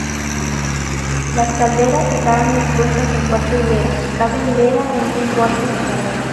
Las calderas estaban dispuestas en cuatro hileras, cada hilera en un cuarto separado.